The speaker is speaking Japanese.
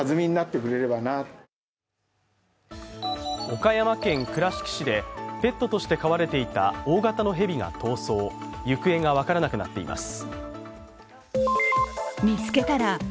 岡山県倉敷市でペットとして飼われていた大型の蛇が逃走行方が分からなくなっています。